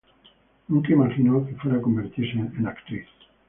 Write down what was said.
Nunca imaginó que fuera a convertirse en actriz.